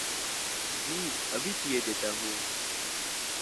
جی ابھی کیئے دیتا ہو